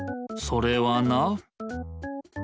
それはな。